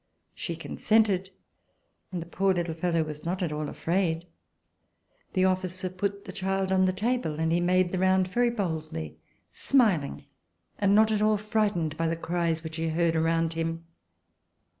She consented and the poor little fellow was not at all afraid. The ofllicer put the child on the table and he made the round very boldly, smiling and not at all frightened by the cries which he heard around him.